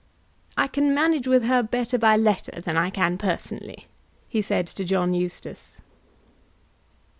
"I can manage with her better by letter than I can personally," he said to John Eustace.